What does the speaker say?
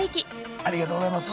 ありがとうございます。